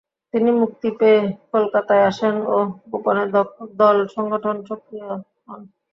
তিনি মুক্তি পেয়ে কলকাতায় আসেন ও গোপনে দল সংগঠনে সক্রিয় হন।